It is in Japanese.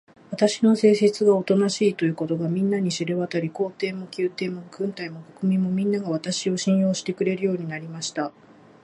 私の性質がおとなしいということが、みんなに知れわたり、皇帝も宮廷も軍隊も国民も、みんなが、私を信用してくれるようになりました。